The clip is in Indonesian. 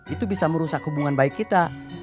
itu bisa merusak hubungan baik kita